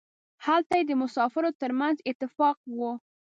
هلته یې د مسافرو ترمنځ اتفاق و.